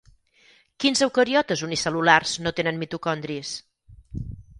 Quins eucariotes unicel·lulars no tenen mitocondris?